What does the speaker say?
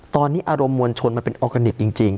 ตอนนี้อารมณ์มวลชนมันเป็นออร์แกนิคจริง